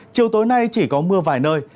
chiều tối nay chỉ có mưa vài nơi